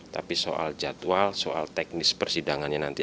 tapi soal jadwal soal teknis persidangannya nanti